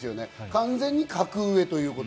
完全に格上です。